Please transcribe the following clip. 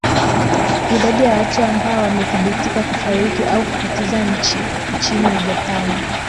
idadi ya watu ambao wamethibitika kufariki au kupotea chi nchini japan